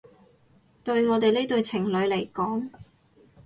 對我哋呢對情侶嚟講